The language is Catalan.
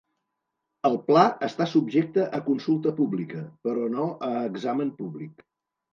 El pla està subjecte a consulta pública, però no a examen públic.